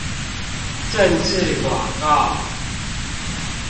政治廣告